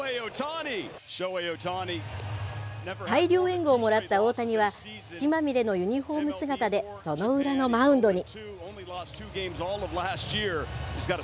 大量援護をもらった大谷は、土まみれのユニホーム姿でその裏のマウンドに。